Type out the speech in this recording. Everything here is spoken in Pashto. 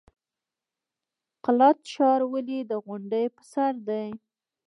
قلات ښار ولې د غونډۍ په سر دی؟